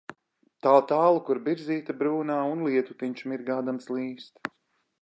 ... tāltālu kur birzīte brūnā un lietutiņš mirgādams līst.